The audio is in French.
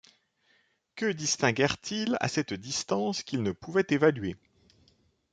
Que distinguèrent-ils à cette distance qu’ils ne pouvaient évaluer?